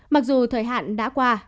mặc dù thời hạn đã qua